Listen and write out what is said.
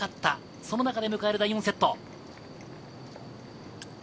その中で迎える第４セット。